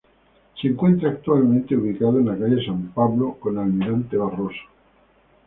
Se encuentra actualmente ubicado en la calle San Pablo con Almirante Barroso.